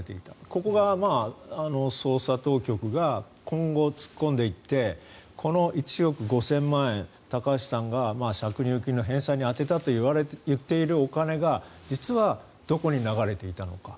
ここが捜査当局が今後、突っ込んでいってこの１億５０００万円高橋さんが借入金の返済に充てたと言っているお金が実はどこに流れていたのか。